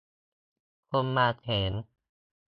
คนบางเขน